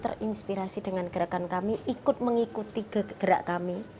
terinspirasi dengan gerakan kami ikut mengikuti gerak kami